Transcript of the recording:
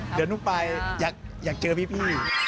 เดี๋ยวนุ๊กปายอยากเจอพี่